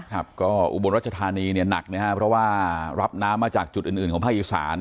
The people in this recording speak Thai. ครับก็อุบลรัชธานีเนี่ยหนักนะครับเพราะว่ารับน้ำมาจากจุดอื่นอื่นของภาคอีสาน